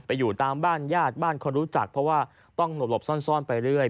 อยู่ตามบ้านญาติบ้านคนรู้จักเพราะว่าต้องหลบซ่อนไปเรื่อย